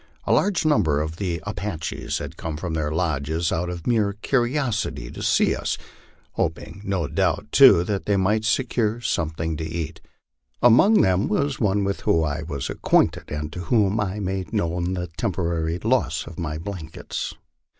A large number of the Apaches had come from their lodges out of mere curiosity to see us, hoping no doubt too that they might secure some thing to eat. Among them was one with whom I was . acquainted, and to whom I made known the temporary loss of my blankets.